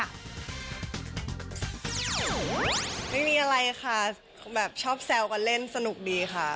ไม่มีอะไรค่ะแบบชอบแซวกันเล่นสนุกดีค่ะ